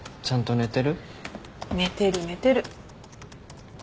寝てる寝てる。